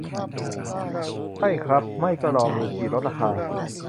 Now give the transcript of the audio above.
ใช่ครับ ไม่ก็รอมูจิลดราคา